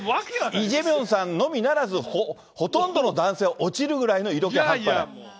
イ・ジェミョンさんのみならず、ほとんどの男性は落ちるぐらいの色気があった？